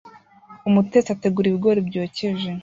Umutetsi ategura ibigori byokeje